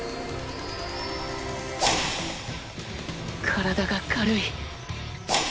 体が軽い